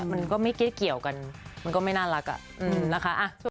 มันก็ไม่เกี่ยวกันมันก็ไม่น่ารัก